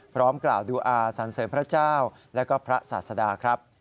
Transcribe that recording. พร้อมกล่าวดูอาสันเสริมพระเจ้าและก็พระศาสดาครับ